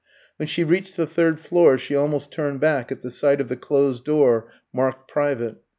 When she reached the third floor she almost turned back at the sight of the closed door marked "Private."